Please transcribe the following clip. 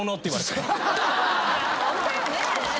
ホントよね。